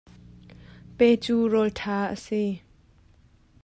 Pe cu rawl ṭha a si.